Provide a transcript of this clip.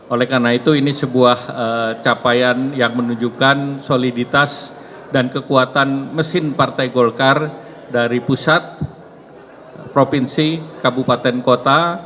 oleh karena itu ini sebuah capaian yang menunjukkan soliditas dan kekuatan mesin partai golkar dari pusat provinsi kabupaten kota